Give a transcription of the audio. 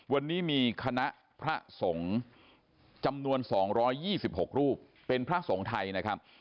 วันนี้มีคณะพระสงฆ์จำนวน๒๒๖รูปเป็นพระสงฆ์ไทยนะครับ